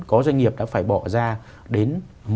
có doanh nghiệp đã phải bỏ ra đến